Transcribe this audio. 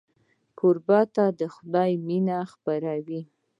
کوربه د خدای مینه خپروي.